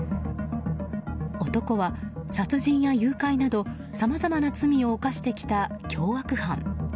男は、殺人や誘拐などさまざまな罪を犯してきた凶悪犯。